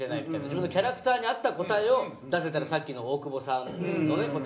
自分のキャラクターに合った答えを出せたらさっきの大久保さんのね答えもそうなんですけど。